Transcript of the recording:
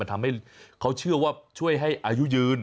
ทำให้เขาเชื่อว่าช่วยให้อายุยืน